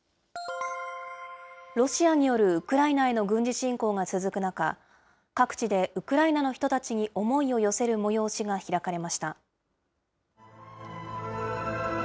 ロシアによるウクライナへの軍事侵攻が続く中、各地でウクライナの人たちに思いを寄せる催しが開かれました。